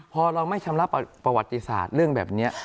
พอเราไม่ชำระประวัติศาสตร์เรื่องแบบนี้